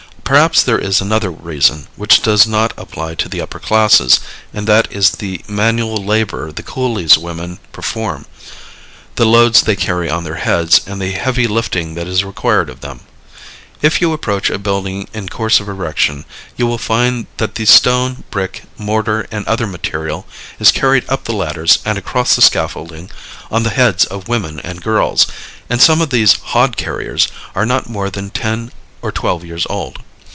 Perhaps there is another reason, which does not apply to the upper classes, and that is the manual labor the coolies women perform, the loads they carry on their heads and the heavy lifting that is required of them. If you approach a building in course of erection you will find that the stone, brick, mortar and other material is carried up the ladders and across the scaffolding on the heads of women and girls, and some of these "hod carriers" are not more than 10 or 12 years old.